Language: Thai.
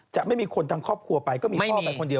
จะไม่มีคนทางครอบครัวไปก็มีพ่อไปคนเดียว